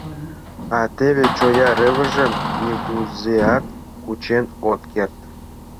— А теве чоя рывыжым нигузеат кучен от керт.